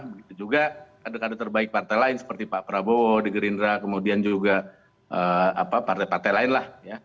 begitu juga kader kader terbaik partai lain seperti pak prabowo di gerindra kemudian juga partai partai lain lah